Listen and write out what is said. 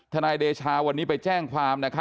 นายเดชาวันนี้ไปแจ้งความ